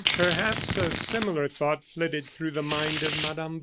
Perhaps a similar thought flitted through the mind of Mme.